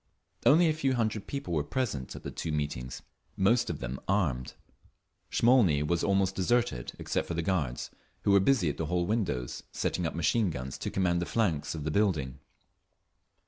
Only a few hundred people were present at the two meetings, most of them armed. Smolny was almost deserted, except for the guards, who were busy at the hall windows, setting up machine guns to command the flanks of the building.